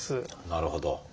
なるほど。